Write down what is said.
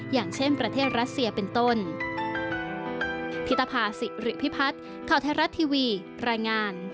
อย่างเช่นประเทศรัสเซียเป็นต้น